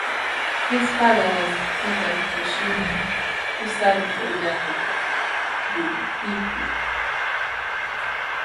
His father was Ikeda Toshitsune, who served Oda Nobuhide.